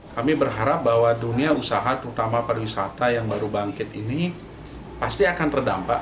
kami berharap bahwa dunia usaha terutama pariwisata yang baru bangkit ini pasti akan terdampak